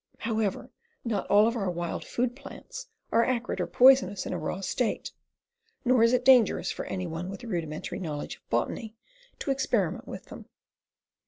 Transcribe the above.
However, not all of our wild food plants are acrid or poisonous in a raw state, nor is it dangerous for any one with a rudimentary knowledge of botany to experi ment with them.